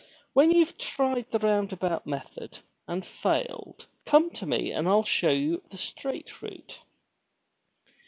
When youVe tried the roundabout method and failed come to me and Fll show you the straight route."